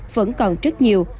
vẫn còn rất nhiều